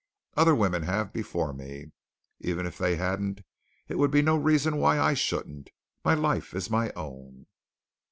Other women have before me. Even if they hadn't, it would be no reason why I shouldn't. My life is my own."